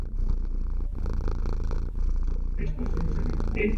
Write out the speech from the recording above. El plano de Administración es el responsable de administrar el plano de control.